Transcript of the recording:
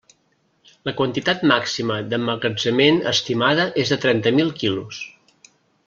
La quantitat màxima d'emmagatzemament estimada és de trenta mil quilos.